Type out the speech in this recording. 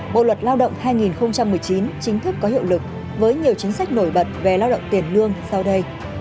bộ luật lao động hai nghìn một mươi chín chính thức có hiệu lực với nhiều chính sách nổi bật về lao động tiền lương sau đây